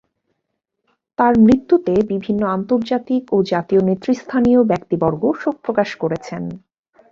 তার মৃত্যুতে বিভিন্ন আন্তর্জাতিক ও জাতীয় নেতৃস্থানীয় ব্যক্তিবর্গ শোক প্রকাশ করেছেন।